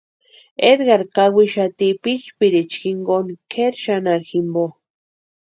Edgar kawixati pʼichpiricha jinkoni kʼeri xanharhu jimpo.